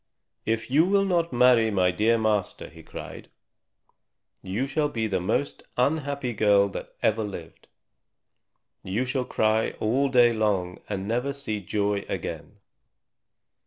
"If you will not marry my dear master," he cried, "you shall be the most unhappy girl that ever lived. You shall cry all day long and never see joy again.